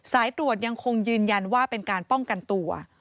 สายตรวจยังคงยืนยันว่าเป็นการป้องกันตัว